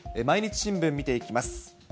毎日新聞見ていきます。